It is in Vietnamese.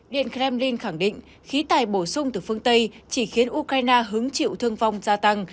điện kremlin khẳng định khí tài bổ sung từ phương tây chỉ khiến ukraine hứng chịu thương vong gia tăng